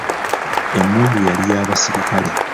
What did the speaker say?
Emmundu yali ya basirikale.